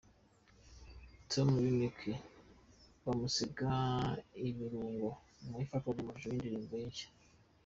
Tonny Unique bamusiga ibirungo mu ifatwa ry'amashusho y'indirimbo ye nshya.